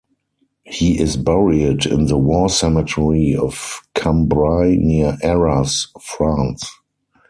He is buried in the War Cemetery of Cambrai near Arras, France.